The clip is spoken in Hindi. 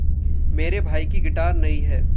मेरे भाई की गिटार नई है।